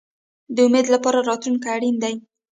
د امید لپاره راتلونکی اړین دی